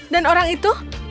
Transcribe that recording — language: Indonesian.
dan orang itu